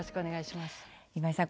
今井さん